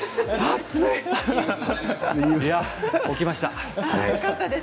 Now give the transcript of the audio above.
暑い、動きました。